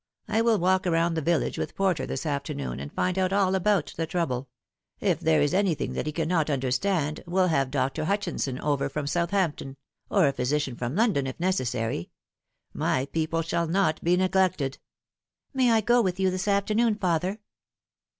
I will walk round the village with Porter this afternoon, and find out all about the trouble. If there is anything that he cannot understand, we'll have Dr. Hutchinson over from Southampton, or a physician from London if necessary. My peopla shall not be neglected." " May I go with you this afternoon, father